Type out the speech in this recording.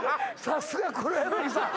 さすが黒柳さん